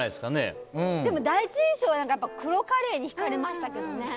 でも、第一印象はやっぱり黒カレーにひかれましたけどね。